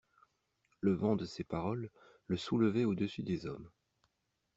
Le vent de ses paroles le soulevait au-dessus des hommes.